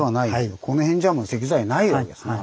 この辺じゃもう石材ないわけですね。